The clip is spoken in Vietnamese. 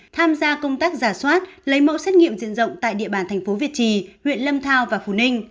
tham gia công tác giả soát lấy mẫu xét nghiệm diện rộng tại địa bàn tp việt trì huyện lâm thao và phú ninh